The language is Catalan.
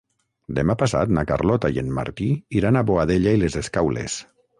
Demà passat na Carlota i en Martí iran a Boadella i les Escaules.